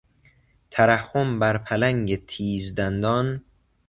ترحم بر پلنگ تیز دندان...